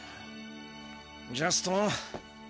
ジャストン。